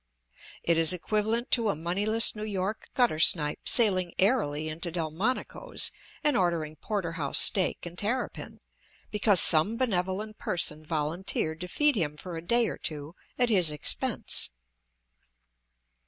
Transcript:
It is equivalent to a moneyless New York guttersnipe sailing airily into Delmonico's and ordering porter house steak and terrapin, because some benevolent person volunteered to feed him for a day or two at his expense.